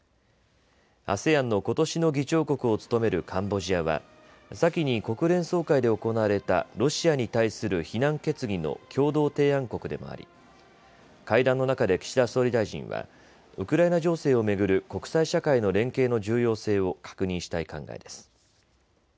ＡＳＥＡＮのことしの議長国を務めるカンボジアは先に国連総会で行われたロシアに対する非難決議の共同提案国でもあり会談の中で岸田総理大臣はウクライナ情勢を巡る国際社会の連携の重要性を確認したい考えです。